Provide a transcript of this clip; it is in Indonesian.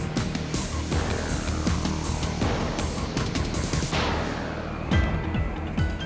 dan pacarnya mondi yakin yakin banget men